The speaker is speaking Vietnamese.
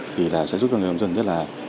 thì là sẽ giúp cho người nông dân rất là